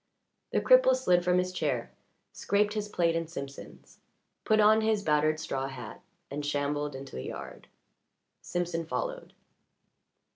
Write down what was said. The cripple slid from his chair, scraped his plate and Simpson's, put on his battered straw hat, and shambled into the yard. Simpson followed.